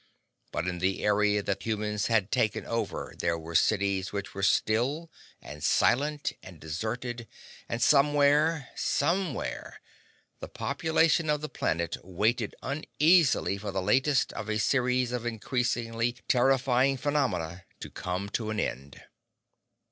But in the area that human beings had taken over there were cities which were still and silent and deserted, and somewhere—somewhere!—the population of the planet waited uneasily for the latest of a series of increasingly terrifying phenomena to come to an end.